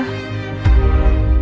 kamu kenapa sampe nangis